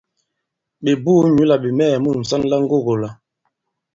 Ɓè buū nyǔ là ɓè mɛɛ̀ mu ŋsɔn la ŋgogō-la.